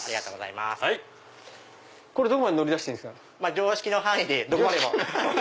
常識の範囲でどこまでも。